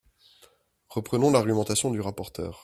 Reprenons l’argumentation du rapporteur.